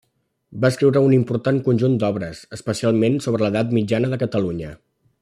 Va escriure un important conjunt d'obres, especialment sobre l'Edat mitjana de Catalunya.